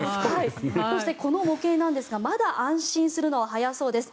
そしてこの模型なんですがまだ安心するのは早そうです。